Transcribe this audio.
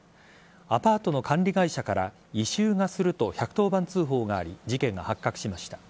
アパートの管理会社から異臭がすると１１０番通報があり事件が発覚しました。